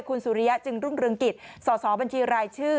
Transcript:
คุณสุริยะจึงรุ่งเรืองกิจสสบัญชีรายชื่อ